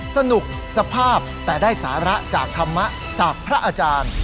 สนุกสภาพแต่ได้สาระจากธรรมะจากพระอาจารย์